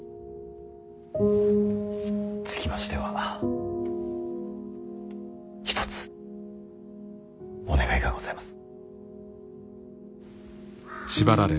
つきましては一つお願いがございます。